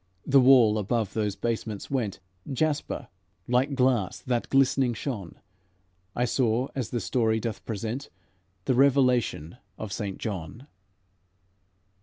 The wall above those basements went Jasper, like glass that glistening shone; I saw, as the story doth present, The Revelation of St. John.